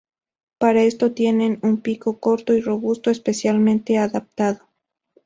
Para esto tienen un pico corto y robusto especialmente adaptado.